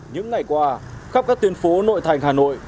những ngày qua khắp các tuyến phố nội thành hà nội